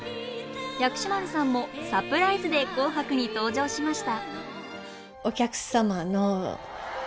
薬師丸さんもサプライズで「紅白」に登場しました